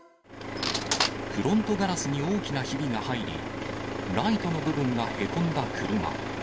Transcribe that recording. フロントガラスに大きなひびが入り、ライトの部分がへこんだ車。